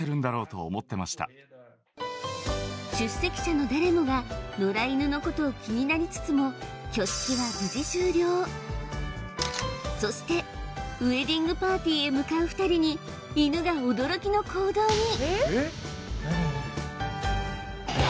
と思ってました出席者の誰もが野良犬のことを気になりつつもそしてウエディングパーティーへ向かう２人に犬が驚きの行動に！